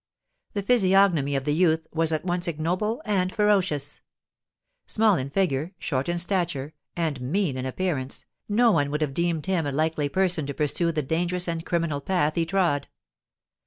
The physiognomy of the youth was at once ignoble and ferocious; small in figure, short in stature, and mean in appearance, no one would have deemed him a likely person to pursue the dangerous and criminal path he trod.